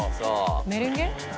メレンゲ？